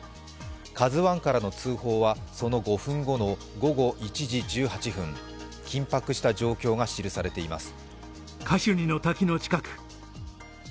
「ＫＡＺＵⅠ」からの通報はその５分後の午後１時１８分緊迫した状況が記されています。